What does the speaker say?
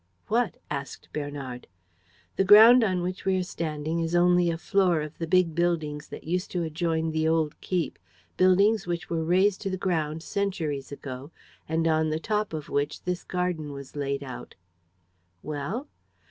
"What?" asked Bernard. "The ground on which we are standing is only a floor of the big buildings that used to adjoin the old keep, buildings which were razed to the ground centuries ago and on the top of which this garden was laid out." "Well?"